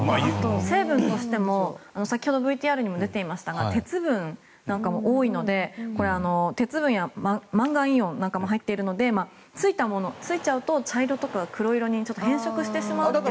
成分としても先ほどＶＴＲにも出ていましたが鉄分も多いのでこれは鉄分やマンガンイオンなんかも入っているのでついちゃうと茶色とか黒色に変色してしまうという。